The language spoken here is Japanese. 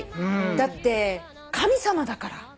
だって神様だから。